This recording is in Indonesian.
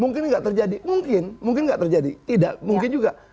mungkin nggak terjadi mungkin mungkin nggak terjadi tidak mungkin juga